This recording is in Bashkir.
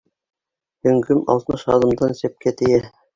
Һөңгөм алтмыш аҙымдан сәпкә тейә.